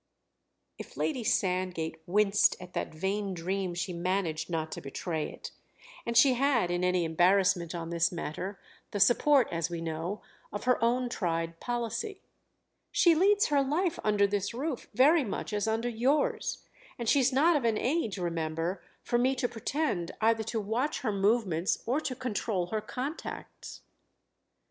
If Lady Sandgate winced at that vain dream she managed not to betray it, and she had, in any embarrassment on this matter, the support, as we know, of her own tried policy. "She leads her life under this roof very much as under yours; and she's not of an age, remember, for me to pretend either to watch her movements or to control her contacts."